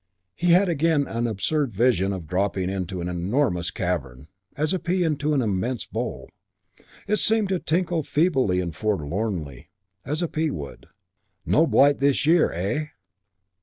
He had again an absurd vision of dropping it into an enormous cavern, as a pea into an immense bowl, and it seemed to tinkle feebly and forlornly, as a pea would. "No blight this year, eh?"